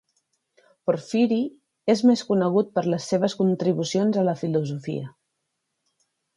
Porfiri és més conegut per les seves contribucions a la filosofia.